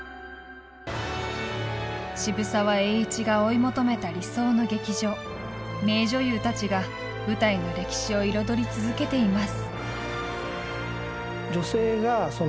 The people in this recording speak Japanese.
渋沢栄一が追い求めた理想の劇場名女優たちが舞台の歴史を彩り続けています。